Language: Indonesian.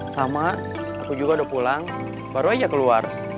sama aku juga udah pulang baru aja keluar